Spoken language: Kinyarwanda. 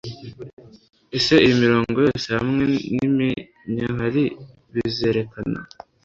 Ese iyi mirongo yose hamwe niminkanyari bizerekana